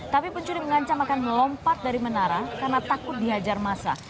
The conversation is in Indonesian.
tapi pencuri mengancam akan melompat dari menara karena takut dihajar masa